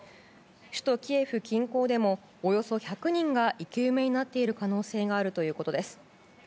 首都キエフ近郊でもおよそ１００人が生き埋めになっている可能性があるということです。